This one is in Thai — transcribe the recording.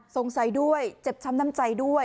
สงสัยด้วยเจ็บช้ำน้ำใจด้วย